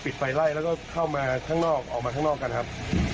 ไฟไล่แล้วก็เข้ามาข้างนอกออกมาข้างนอกกันครับ